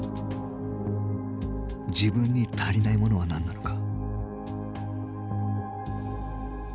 自分に足りないものは何なのか。